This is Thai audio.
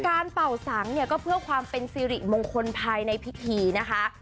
เป่าสังเนี่ยก็เพื่อความเป็นสิริมงคลภายในพิธีนะคะ